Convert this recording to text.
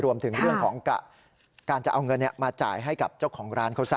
รวมถึงเรื่องของการจะเอาเงินมาจ่ายให้กับเจ้าของร้านเขาซะ